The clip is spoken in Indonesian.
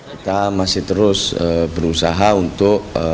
kita masih terus berusaha untuk